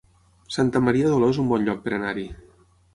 Santa Maria d'Oló es un bon lloc per anar-hi